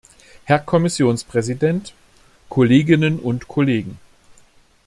Herr Kommissionspräsident, Kolleginnen und Kollegen!